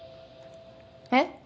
えっ？